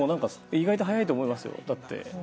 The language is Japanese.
意外と早いと思いますよ。